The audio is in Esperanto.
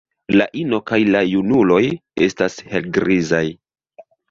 La ino kaj la junuloj estas helgrizaj.